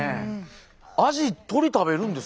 アジ鳥食べるんですか？